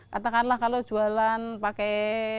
katakanlah kalau jualan pakai